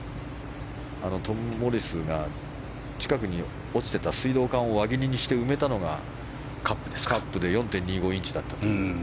トム・モリスが近くに落ちてた水道管を輪切りにして埋めたのがカップで４．２５インチだったという。